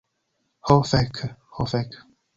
Ho fek. Ho fek.